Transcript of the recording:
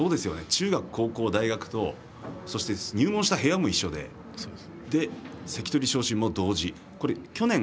中学、高校、大学と入門した部屋も一緒で関取昇進も同時。